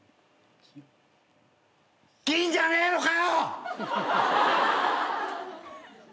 銀じゃねえのかよ！